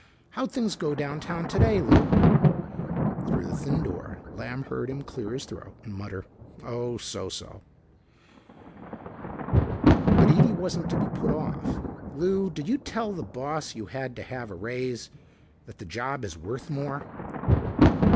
How'd things go downtown today, Lou?" Through the thin door, Lamb heard him clear his throat, mutter, "Oh, so so." But Ede wasn't to be put off. "Lou, did you tell the boss you had to have a raise, that the job is worth more?"